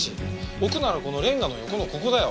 置くならこのれんがの横のここだよ。